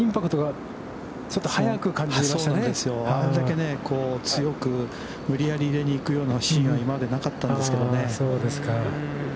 あれだけ強く無理やり入れにいくようなシーンは今までなかったんですけどね。